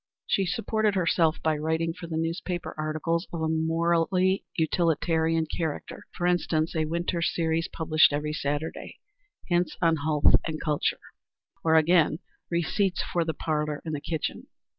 She supported herself by writing for the newspapers articles of a morally utilitarian character for instance a winter's series, published every Saturday, "Hints on Health and Culture," or again, "Receipts for the Parlor and the Kitchen."